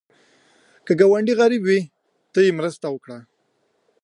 که ګاونډی غریب وي، ته یې مرسته وکړه